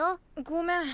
ごめん。